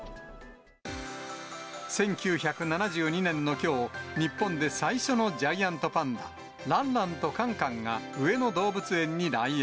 １９７２年のきょう、日本で最初のジャイアントパンダ、ランランとカンカンが上野動物園に来園。